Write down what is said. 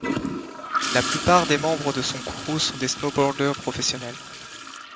La plupart des membres de son crew sont des snowboarders professionnels.